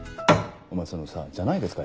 お前そのさ「じゃないですか」